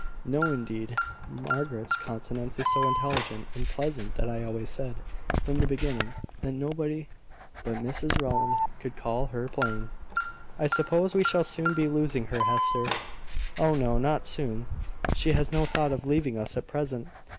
"No, indeed. Margaret's countenance is so intelligent and pleasant that I always said, from the beginning, that nobody but Mrs Rowland could call her plain. I suppose we shall soon be losing her, Hester." "Oh, no; not soon. She has no thought of leaving us at present.